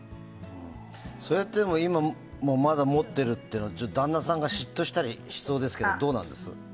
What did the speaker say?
それでも今、まだ持ってるっていうのは旦那さんが嫉妬したりしそうですけどどうなんです？